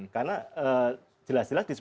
karena jelas jelas disebutkan